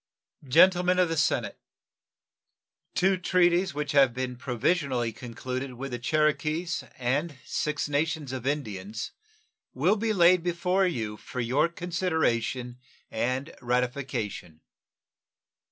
Gentlemen of the Senate: Two treaties which have been provisionally concluded with the Cherokees and Six Nations of Indians will be laid before you for your consideration and ratification.